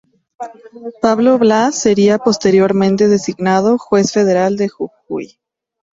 Pablo Blas sería posteriormente designado Juez Federal de Jujuy.